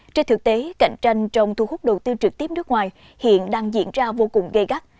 trên thực tế cạnh tranh trong thu hút đầu tư trực tiếp nước ngoài hiện đang diễn ra vô cùng gây gắt